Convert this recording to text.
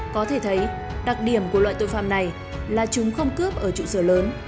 có thể thấy đặc điểm của loại tội phạm này là chúng không cướp ở trụ sở lớn